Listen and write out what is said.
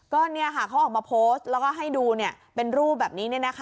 ก็เขาออกมาโพสต์แล้วก็ให้ดูเป็นรูปแบบนี้